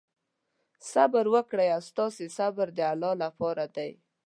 صبر وکړئ او ستاسې صبر د الله لپاره دی.